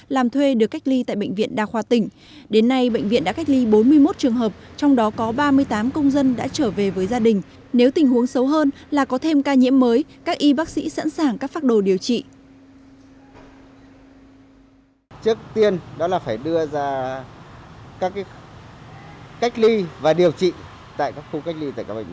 làm thuê được cách ly tại bệnh viện đà khoa tỉnh đến nay bệnh viện đã cách ly bốn mươi một trường hợp trong đó có ba mươi tám công dân đã trở về với gia đình nếu tình huống xấu hơn là có thêm ca nhiễm mới các y bác sĩ sẵn sàng các phác đồ điều trị